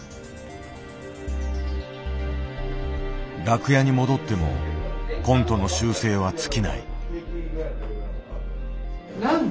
楽屋に戻ってもコントの修正は尽きない。